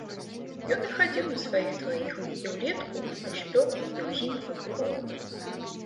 Ён і хадзіў на сваіх дваіх, і ўлетку, у спёку, і ўзімку, у холад.